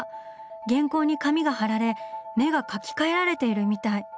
原稿に紙が貼られ目が描き換えられているみたい。